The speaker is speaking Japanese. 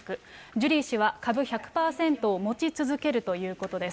ジュリー氏は株１００％を持ち続けるということです。